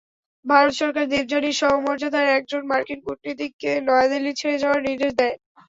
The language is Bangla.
ভারত সরকার দেবযানীর সমমর্যাদার একজন মার্কিন কূটনীতিককে নয়াদিল্লি ছেড়ে যাওয়ার নির্দেশ দেয়।